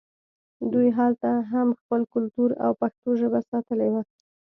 دوی هلته هم خپل کلتور او پښتو ژبه ساتلې وه